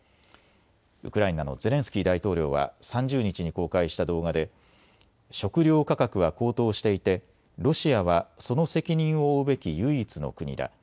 ウクライナのゼレンスキー大統領は３０日に公開した動画で食料価格は高騰していてロシアはその責任を負うべき唯一の国だ。